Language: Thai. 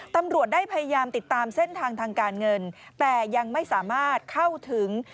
ตำรวจได้พยายามติดตามเส้นทางทางการเงินแต่ยังไม่สามารถเข้าถึง